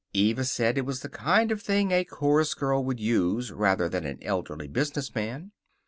Eva said it was the kind of thing a chorus girl would use, rather than an elderly businessman.